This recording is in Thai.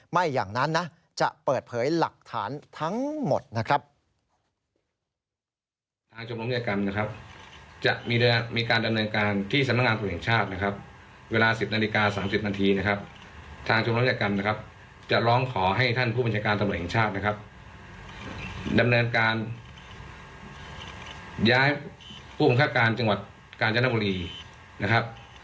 ไม่อย่างนั้นนะจะเปิดเผยหลักฐานทั้งหมดนะครับ